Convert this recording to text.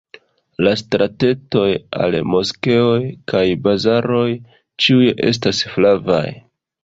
La stratetoj al moskeoj kaj bazaroj ĉiuj estas flavaj.